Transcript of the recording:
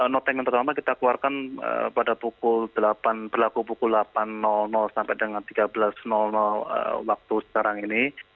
noteng yang pertama kita keluarkan pada pukul delapan berlaku pukul delapan sampai dengan tiga belas waktu sekarang ini